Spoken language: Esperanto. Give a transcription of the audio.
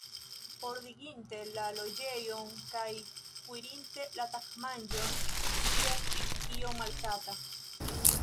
Ordiginte la loĝejon kaj kuirinte la tagmanĝon, ŝi estis iom malsata.